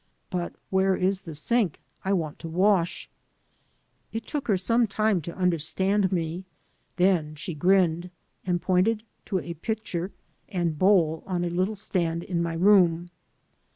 But where is the sink? I want to wash.'' It took her some time to imderstand me; then she grinned, and pointed to a pitcher and bowl on a little stand in my room.